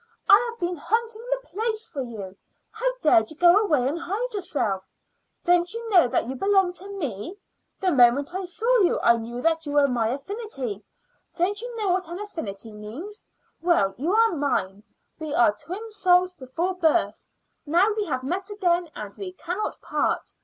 "I have been hunting the place for you. How dared you go away and hide yourself? Don't you know that you belong to me? The moment I saw you I knew that you were my affinity. Don't you know what an affinity means? Well, you are mine. We were twin souls before birth; now we have met again and we cannot part.